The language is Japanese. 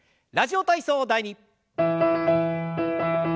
「ラジオ体操第２」。